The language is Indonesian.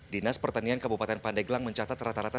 dinas pertanian kabupaten pandai gelang mencatat rata rata